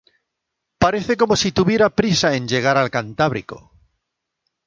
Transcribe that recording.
Parece como si tuviera prisa en llegar al Cantábrico.